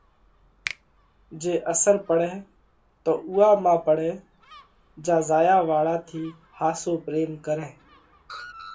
جي اثر پڙئه تو اُوئا مانه پڙئه جيا زايا واۯا ٿِي ۿاسو پريم ڪرئه۔